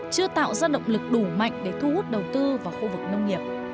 chưa tạo ra động lực đủ mạnh để thu hút đầu tư vào khu vực nông nghiệp